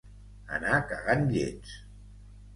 Anar cagant llets.